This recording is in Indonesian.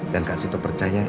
dan kak sito percaya